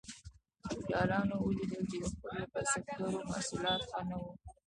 فیوډالانو ولیدل چې د خپلو کسبګرو محصولات ښه نه وو.